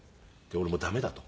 俺もう駄目だと。